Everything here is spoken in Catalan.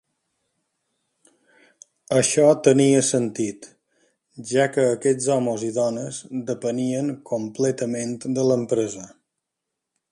Això tenia sentit, ja que aquests homes i dones depenien completament de l'empresa.